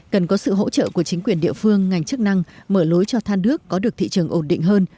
cần có sự hỗ trợ của chính quyền địa phương ngành chức năng mở lối cho than nước có được thị trường ổn định hơn